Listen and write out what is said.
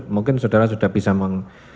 mungkin saudara sudah bisa